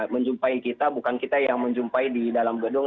menjumpai kita bukan kita yang menjumpai di dalam gedung